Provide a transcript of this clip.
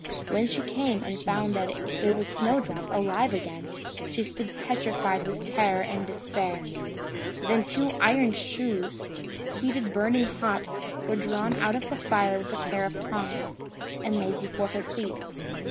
When she came, and found that it was Snowdrop alive again, she stood petrified with terror and despair. Then two iron shoes, heated burning hot, were drawn out of the fire with a pair of tongs, and laid before her feet.